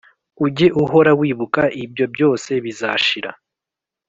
ujye uhora wibuka ko ibyo byose bizashira